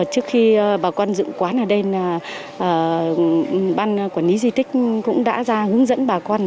trước khi bà con dựng quán ở đây ban quản lý di tích cũng đã ra hướng dẫn